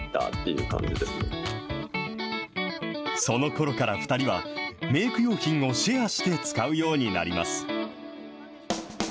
そのころから２人は、メーク用品をシェアして使うようになります。